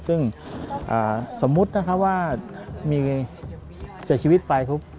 ซึ่งสมมุติว่าจะชีวิตไป